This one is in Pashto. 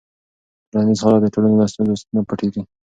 ټولنیز حالت د ټولنې له ستونزو نه پټيږي.